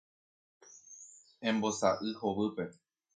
Embosa'y hovýpe.